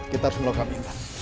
kita harus melukai mereka